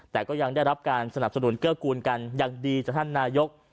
แต่ก็ยังได้รับการสนับสนุนเกื้อกูลกันอย่างดีจากท่านนายก